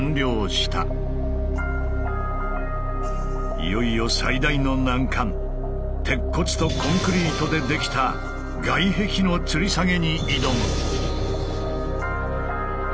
いよいよ最大の難関鉄骨とコンクリートで出来た外壁のつり下げに挑む。